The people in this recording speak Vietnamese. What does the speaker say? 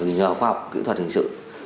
nhờ khoa học kỹ thuật hình sự